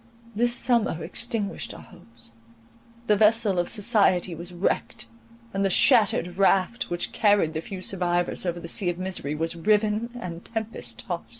This summer extinguished our hopes, the vessel of society was wrecked, and the shattered raft, which carried the few survivors over the sea of misery, was riven and tempest tost.